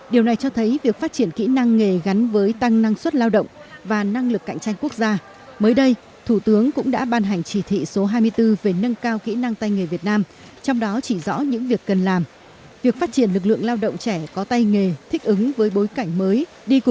để cho các em tiếp cận với công nghệ mới